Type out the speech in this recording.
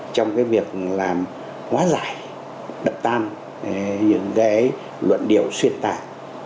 trong cái việc làm hóa giải đập tan những cái luận điệu xuyên tạc